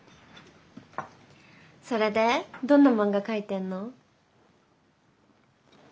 それでどんな漫画描いてんの？